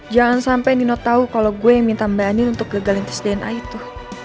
jangan sampai nino tahu kalau gue yang minta mbak ani untuk gagalin tes dna itu